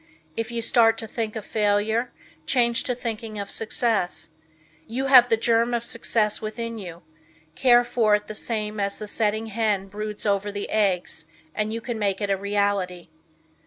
If you start to think of failure, change to thinking of success. You have the germ of success within you. Care for it the same as the setting hen broods over the eggs and you can make it a reality.